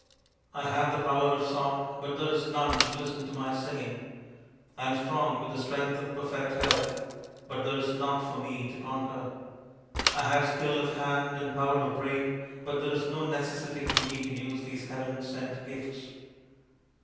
" I have the power of song, but there is none to listen to my singing. I am strong with the strength of perfect health, but there is naught for me to conquer. I have skill of hand and power of brain, but there is no necessity for me to use these heaven sent gifts.